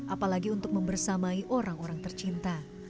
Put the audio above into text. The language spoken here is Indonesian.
apalagi untuk membersamai orang orang tercinta